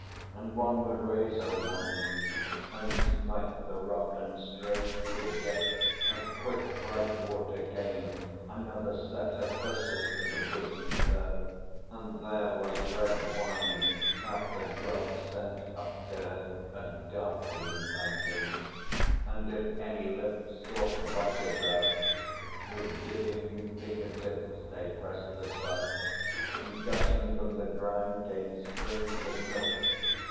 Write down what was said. And one would raise Her wand and smite the rock, and straight a jet Of quick bright water came. Another set Her thyrsus in the bosomed earth, and there Was red wine that the God sent up to her, A darkling fountain. And if any lips Sought whiter draughts, with dipping finger tips They pressed the sod, and gushing from the ground Came springs of milk.